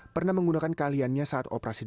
pernah menggunakan keahliannya saat operasi